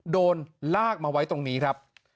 โดนลากมาไว้ตรงนี้ครับ